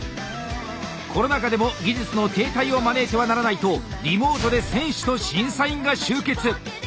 コロナ禍でも技術の停滞を招いてはならないとリモートで選手と審査員が集結。